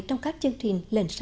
trong các chương trình lần sau